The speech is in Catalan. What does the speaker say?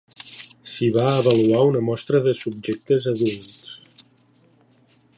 S'hi va avaluar una mostra de subjectes adults.